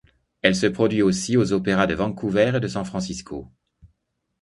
Elle se produit aussi aux Opéras de Vancouver et de San Francisco.